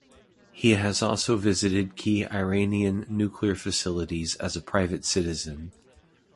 He has also visited key Iranian nuclear facilities as a private citizen.